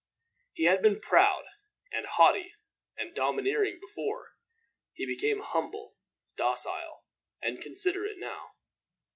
He had been proud, and haughty, and domineering before. He became humble, docile, and considerate now.